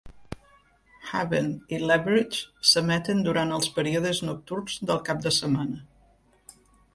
"Haven" i "Leverage" s'emeten durant els períodes nocturns del cap de setmana.